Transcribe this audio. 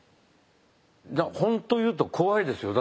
本当言うと怖いですよ。